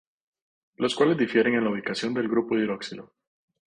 Los cuales difieren en la ubicación del grupo hidroxilo.